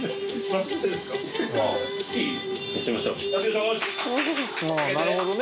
ああなるほどね。